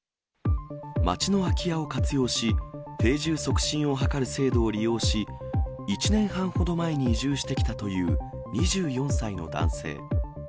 町の空き家を活用し、定住促進を図る制度を利用し、１年半ほど前に移住してきたという２４歳の男性。